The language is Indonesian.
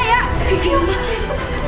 ya allah ya allah